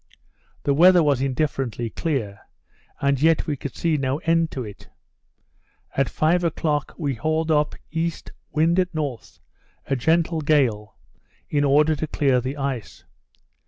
The weather was indifferently clear; and yet we could see no end to it. At five o'clock we hauled up east, wind at north, a gentle gale, in order to clear the ice.